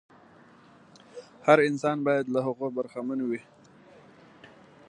هر انسان باید له هغو څخه برخمن وي.